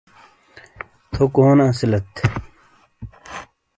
تھو کونے اسیلیت؟